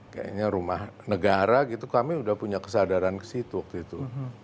kayaknya rumah negara gitu kami udah punya kesadaran ke situ waktu itu